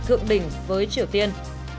thượng đỉnh với triều tiên